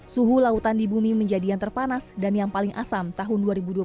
suhu lautan di bumi menjadi yang terpanas dan yang paling asam tahun dua ribu dua puluh